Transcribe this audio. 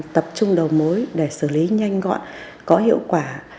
tập trung đầu mối để xử lý nhanh gọn có hiệu quả